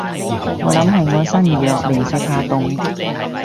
我諗係我身弱，零舍怕凍